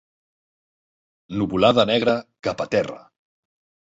Nuvolada negra, cap a terra.